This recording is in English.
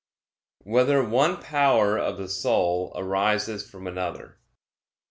7] Whether One Power of the Soul Arises from Another?